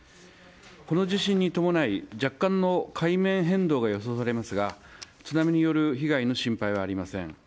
この地震に伴い若干の海面変動が予想されますが津波による被害の心配はありません。